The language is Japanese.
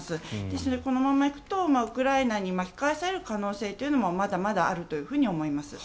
ですので、このままいくとウクライナに巻き返される可能性もまだまだあると思います。